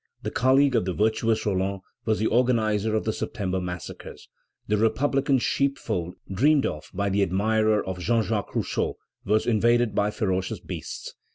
The colleague of the virtuous Roland was the organizer of the September massacres. The republican sheepfold dreamed of by the admirer of Jean Jacques Rousseau was invaded by ferocious beasts.